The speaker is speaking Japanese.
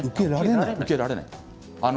受けられないです。